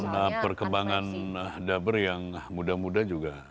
dan perkembangan daber yang muda muda juga